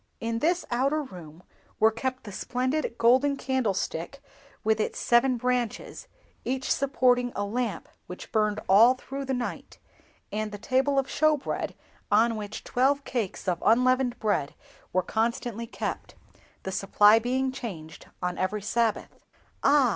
In this outer room were kept the splendid golden Candlestick with its seven branches, each supporting a lamp which burned all through the night, and the Table of Showbread, on which twelve cakes of unleavened bread were constantly kept—the supply being changed on every Sabbath." "Ah!